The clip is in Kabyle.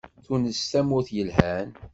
Tunes d tamurt yelhan.